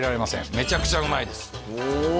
めちゃくちゃうまいです・おっ！